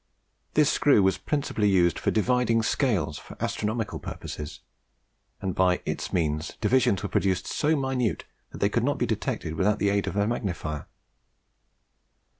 This screw was principally used for dividing scales for astronomical purposes; and by its means divisions were produced so minute that they could not be detected without the aid of a magnifier.